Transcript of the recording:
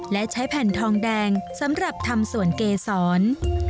และใช้แผ่นทองแดงสำหรับทำส่วนเกษร